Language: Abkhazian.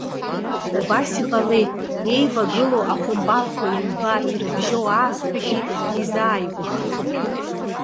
Убас иҟалеит, иеивагылоу ахәымпалқәа ҩба ирыбжьоу аасҭагьы дизаигәахеит.